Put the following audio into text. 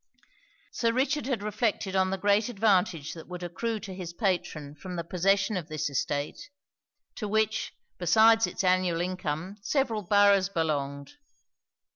Sir Richard had reflected on the great advantage that would accrue to his patron from the possession of this estate; to which, besides it's annual income, several boroughs belonged.